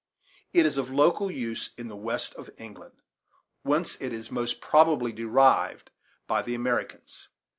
It is of local use in the west of England, whence it is most probably derived by the Americans.